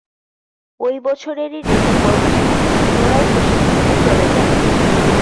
ঐ বছরেরই ডিসেম্বর মাসে তিনি পুনরায় প্রশিক্ষণে চলে যান।